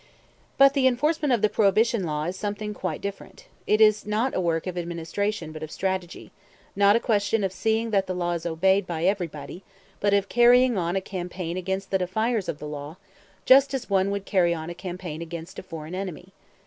But the enforcement of the Prohibition law is something quite different: it is not a work of administration but of strategy; not a question of seeing that the law is obeyed by everybody, but of carrying on a campaign against the defiers of the law just as one would carry on a campaign against a foreign enemy.